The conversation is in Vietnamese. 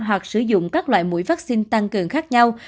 hoặc sử dụng các loại mũi vaccine tăng cường khác nhau